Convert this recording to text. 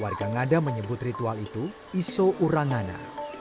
warga ngada menyebut ritual itu iso urangana